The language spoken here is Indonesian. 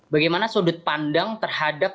bagaimana sudut pandang terhadap